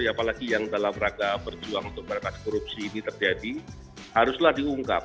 apalagi yang dalam rangka berjuang untuk merangkak korupsi ini terjadi haruslah diungkap